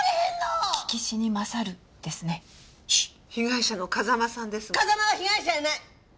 風間は被害者やない加害者や。